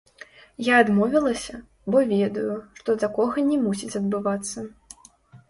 Я адмовілася, бо ведаю, што такога не мусіць адбывацца.